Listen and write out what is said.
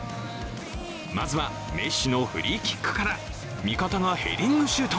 まずは、メッシのフリーキックから味方がヘディングシュート。